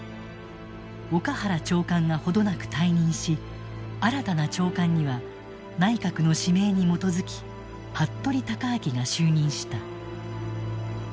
岡原長官が程なく退任し新たな長官には内閣の指名に基づき服部高顯が就任した。